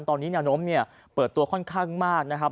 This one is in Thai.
ตอนนี้แนวโน้มเปิดตัวค่อนข้างมากนะครับ